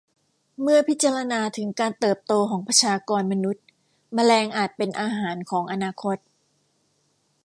เมื่อพิจารณาถึงการเติบโตของประชากรมนุษย์แมลงอาจเป็นอาหารของอนาคต